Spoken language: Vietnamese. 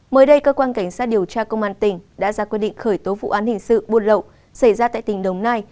mới đây cơ quan cảnh sát điều tra công an tỉnh đã ra quyết định khởi tố vụ án hình sự buôn lậu xảy ra tại tỉnh đồng nai